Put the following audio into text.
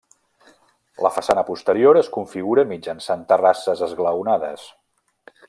La façana posterior es configura mitjançant terrasses esglaonades.